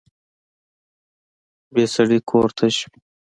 بې سړي کور تش وي